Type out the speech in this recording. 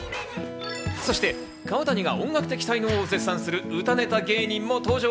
そして川谷が音楽的才能を絶賛する歌ネタ芸人も登場。